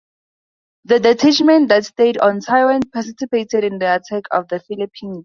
The detachment that stayed on Taiwan participated in the attack on the Philippines.